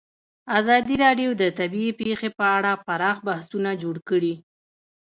ازادي راډیو د طبیعي پېښې په اړه پراخ بحثونه جوړ کړي.